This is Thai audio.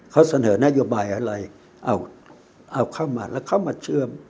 เขาเสนอนโยบายอะไรเอาเข้ามาแล้วเข้ามาเชื่อม